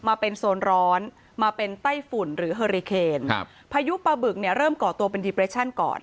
มาเป็นโซนร้อนมาเป็นไต้ฝุ่นหรือเฮอริเคนครับพายุปลาบึกเนี่ยเริ่มก่อตัวเป็นดีเปรชั่นก่อน